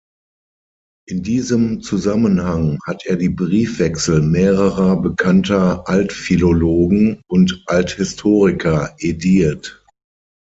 In diesem Zusammenhang hat er die Briefwechsel mehrerer bekannter Altphilologen und Althistoriker ediert.